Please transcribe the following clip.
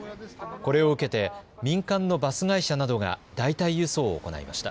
これを受けて民間のバス会社などが代替輸送を行いました。